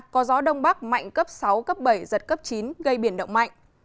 có gió đông bắc mạnh cấp sáu cấp bảy giật cấp chín gây biển động mạnh